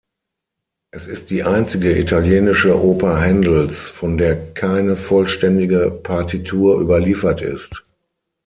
Es ist die einzige italienische Oper Händels, von der keine vollständige Partitur überliefert ist.